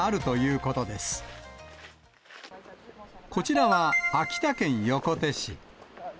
こちらは秋田県横手市。